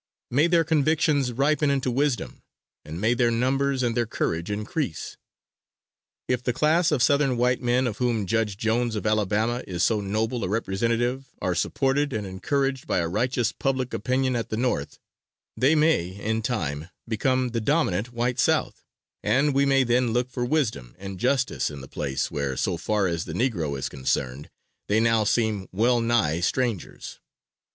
May their convictions ripen into wisdom, and may their numbers and their courage increase! If the class of Southern white men of whom Judge Jones of Alabama, is so noble a representative, are supported and encouraged by a righteous public opinion at the North, they may, in time, become the dominant white South, and we may then look for wisdom and justice in the place where, so far as the Negro is concerned, they now seem well nigh strangers.